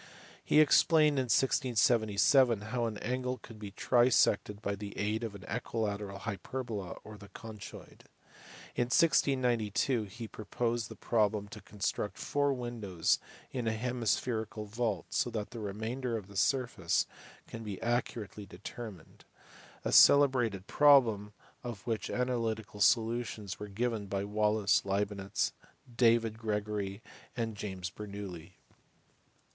He explained in 1677 how an angle could be trisected by the aid of the equilateral hyperbola or the conchoid. In 1692 he proposed the problem to con struct four windows in a hemispherical vault so that the remainder of the surface can be accurately determined : a celebrated problem of which analytical solutions were given by Wallis, Leibnitz, David Gregory, and James Bernoulli.